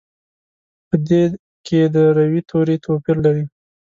په دې کې د روي توري توپیر لري.